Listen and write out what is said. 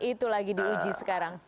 itu lagi diuji sekarang